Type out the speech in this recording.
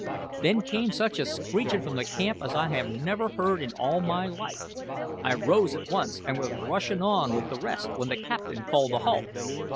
Then came such a screechin' from the camp as I never heard in all my life. I rose at once, and was rushin' on with the rest when the captain called a halt.